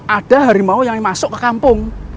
ada harimau yang masuk ke kampung